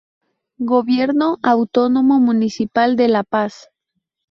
Gobierno Autónomo Municipal de la Paz.